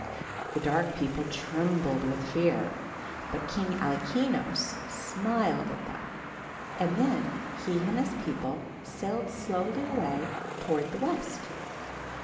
The dark people trembled with fear, but King Alkinoös smiled at them, and then he and his people sailed slowly away toward the West.